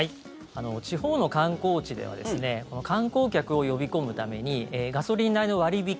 地方の観光地では観光客を呼び込むためにガソリン代の割引